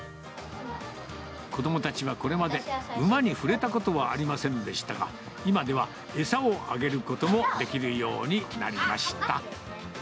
子どもたちはこれまで、馬に触れたことはありませんでしたが、今では餌をあげることもできるようになりました。